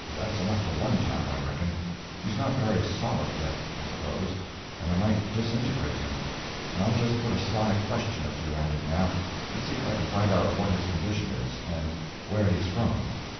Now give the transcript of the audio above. That's enough for one time, I reckon. He's not very solid, yet, I suppose, and I might disintegrate him. I'll just put a sly question or two at him, now, and see if I can find out what his condition is, and where he's from."